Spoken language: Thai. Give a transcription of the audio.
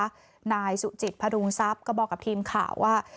นายสุจิตพระดุงทรัพย์ก็บอกกับทีมข่าวว่า